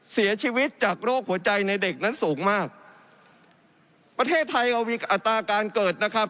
เสียชีวิตจากโรคหัวใจในเด็กนั้นสูงมากประเทศไทยเรามีอัตราการเกิดนะครับ